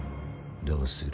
どうする？